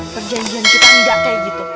perjanjian kita nggak kayak gitu